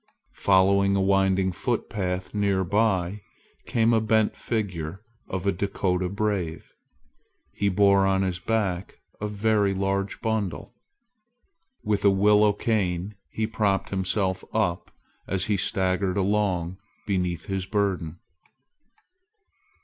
Following a winding footpath near by, came a bent figure of a Dakota brave. He bore on his back a very large bundle. With a willow cane he propped himself up as he staggered along beneath his burden.